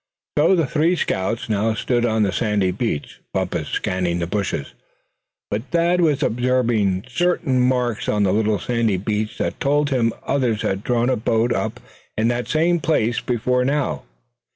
So the three scouts now stood on the sandy beach. Bumpus scanned the bushes, but Thad was observing certain marks on the little sandy beach that told him others had drawn a boat up in that same place before now.